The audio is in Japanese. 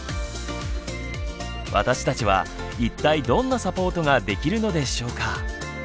私たちは一体どんなサポートができるのでしょうか。